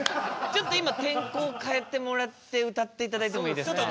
ちょっと今天候をかえてもらって歌って頂いてもいいですか？